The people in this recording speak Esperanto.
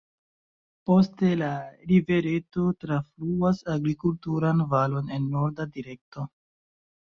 Poste la rivereto trafluas agrikulturan valon en norda direkto.